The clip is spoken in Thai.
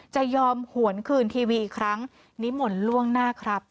จะยอมหวนคืนทีวีอีกครั้งนิมนต์ล่วงหน้าครับ